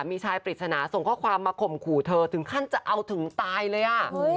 มีชายปริศนาส่งข้อความมาข่มขู่เธอถึงขั้นจะเอาถึงตายเลย